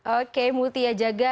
oke multia jaga